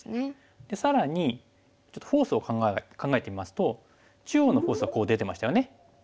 更にちょっとフォースを考えてみますと中央のフォースはこう出てましたよね。